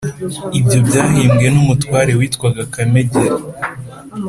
ibyo byahimbwe n'umutware witwaga kamegeri.